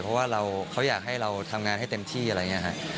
เพราะว่าเขาอยากให้เราทำงานให้เต็มที่อะไรอย่างนี้ครับ